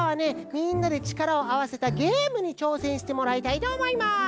みんなでちからをあわせたゲームにちょうせんしてもらいたいとおもいます。